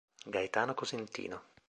Gaetano Cosentino